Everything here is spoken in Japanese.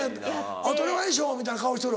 当たり前でしょみたいな顔しとる。